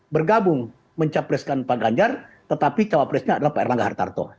bergabung mencapreskan pak ganjar tetapi cawapresnya adalah pak erlangga hartarto